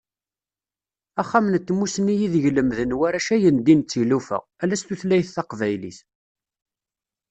Axxam n Tmussni ideg lemmden warrac ayendin d tilufa, ala s tutlayt taqbaylit.